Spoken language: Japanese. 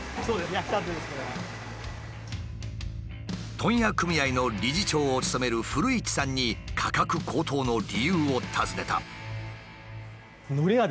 問屋組合の理事長を務める古市さんに価格高騰の理由を尋ねた。